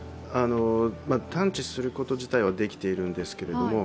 探知すること自体はできているんですけれども、